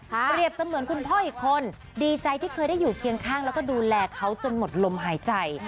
เปรียบเสมือนคุณพ่ออีกคนดีใจที่เคยได้อยู่เคียงข้างแล้วก็ดูแลเขาจนหมดลมหายใจ